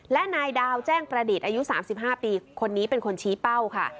และนายดาวแจ้งประดิษฐ์อายุ๓๕ปีคนนี้เป็นคนชี้เป้าค่ะ